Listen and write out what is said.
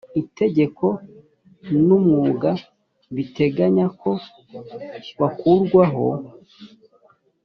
itegeko n umwuga biteganya ko bakurwaho